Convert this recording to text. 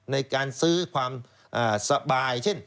ในการซื้อความสบายเช่น